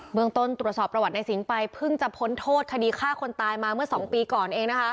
เมืองต้นตรวจสอบประวัติในสิงห์ไปเพิ่งจะพ้นโทษคดีฆ่าคนตายมาเมื่อ๒ปีก่อนเองนะคะ